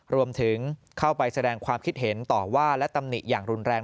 รวมถึงเข้าไปแสดงความคิดเห็นต่อว่าและตำหนิอย่างรุนแรง